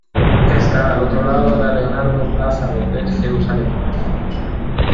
Está al otro lado de la Leonardo Plaza Hotel Jerusalem.